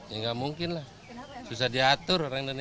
ya nggak mungkin lah susah diatur orang indonesia